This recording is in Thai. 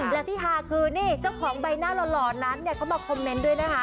และที่ฮาคือนี่เจ้าของใบหน้าหล่อนั้นเข้ามาคอมเมนต์ด้วยนะคะ